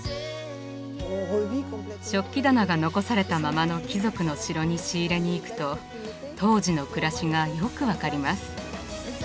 食器棚が残されたままの貴族の城に仕入れに行くと当時の暮らしがよく分かります。